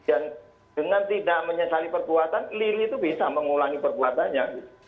dan dengan tidak menyesali perbuatan lili itu bisa mengulangi perbuatannya